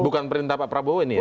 bukan perintah pak prabowo ini ya